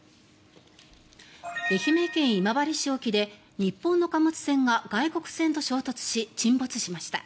愛媛県今治市沖で日本の貨物船が外国船と衝突し沈没しました。